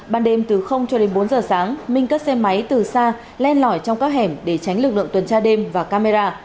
ban đêm từ cho đến bốn giờ sáng minh cất xe máy từ xa len lỏi trong các hẻm để tránh lực lượng tuần tra đêm và camera